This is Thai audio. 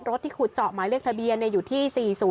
ที่ขุดเจาะหมายเลขทะเบียนอยู่ที่๔๐